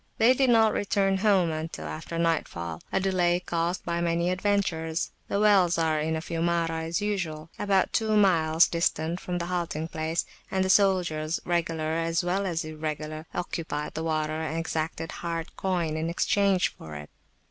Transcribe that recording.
They did not return home until after nightfall, a delay caused by many adventures. The wells are in a Fiumara, as usual, about two miles distant from the halting place, and the soldiers, regular as well as irregular, occupied the water and exacted hard coin in exchange for it.